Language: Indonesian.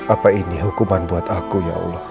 apa ini hukuman buat aku ya allah